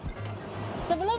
pantai widara payung